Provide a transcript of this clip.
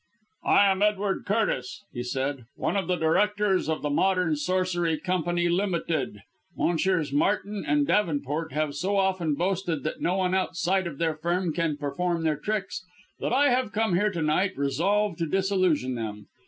"I am Edward Curtis," he said, "one of the directors of the Modern Sorcery Company Ltd. Messrs. Martin and Davenport have so often boasted that no one outside their firm can perform their tricks that I have come here to night resolved to disillusion them.